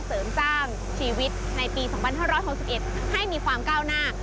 เสริมสร้างชีวิตในปี๒๕๖๑ให้มีความก้าวหน้า